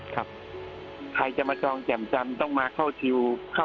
ใครจะมาจองแจ่มจำต้องมาเข้าคิวจองกันเลย